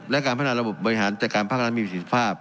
และการพัฒนาระบบบบริหารจัดการภาครัฐมีประสิทธิภาพ